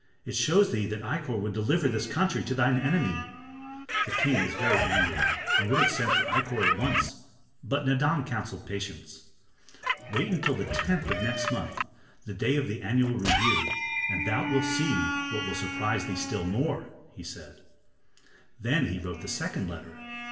It shows thee that Ikkor would deliver this country to thine enemy." The king was very angry and would have sent for Ikkor at once, but Nadan counseled patience. "Wait until the tenth of next month, the day of the annual review, and thou wilt see what will surprise thee still more," he said. Then he wrote the second letter.